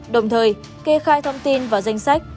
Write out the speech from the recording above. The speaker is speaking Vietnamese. đồng thời kê khai thông tin và danh sách